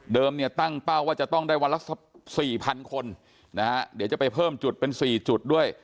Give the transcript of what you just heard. เนี่ยตั้งเป้าว่าจะต้องได้วันละ๔๐๐คนนะฮะเดี๋ยวจะไปเพิ่มจุดเป็น๔จุดด้วย